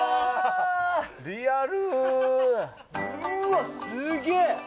うわすげえ！